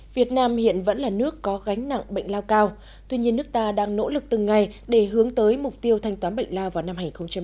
việt nam hiện vẫn là nước có gánh nặng bệnh lao cao tuy nhiên nước ta đang nỗ lực từng ngày để hướng tới mục tiêu thanh toán bệnh lao vào năm hai nghìn ba mươi